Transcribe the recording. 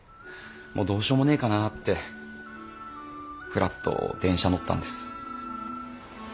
もうどうしようもねえかなってふらっと電車乗ったんです。